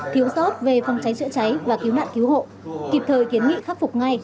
tốt về phòng cháy chữa cháy và cứu nạn cứu hộ kịp thời kiến nghị khắc phục ngay